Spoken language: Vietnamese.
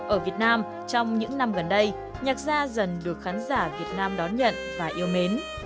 ở việt nam trong những năm gần đây nhạc gia dần được khán giả việt nam đón nhận và yêu mến